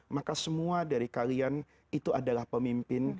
maka semua dari kalian itu adalah pemimpin